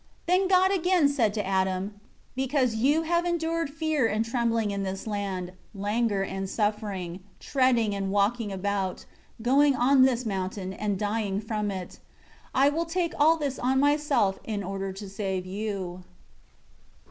6 Then God said again to Adam, "Because you have endured fear and trembling in this land, languor and suffering, treading and walking about, going on this mountain, and dying from it, I will take all this on Myself in order to save you."